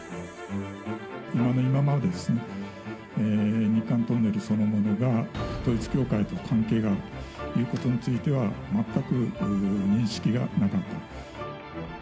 今の今まで、日韓トンネルそのものが統一教会と関係があるということについては、全く認識がなかった。